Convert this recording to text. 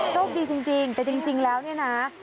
โชคดีจริงแต่จริงแล้วเนี่ยนะ